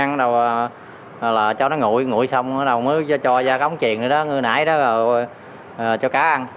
nó ngủi xong nó cho ra khóng truyền rồi đó như nãy đó cho cá ăn